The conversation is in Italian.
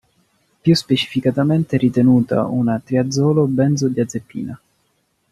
Più specificamente è ritenuta una triazolo-benzodiazepina.